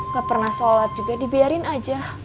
gak pernah sholat juga dibiarin aja